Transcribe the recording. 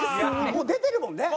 もう出てるもんね。